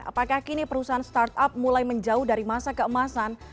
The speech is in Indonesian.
apakah kini perusahaan startup mulai menjauh dari masa keemasan